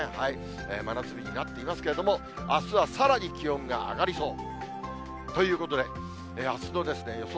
真夏日になっていますけれども、あすはさらに気温が上がりそう。ということで、あすの予想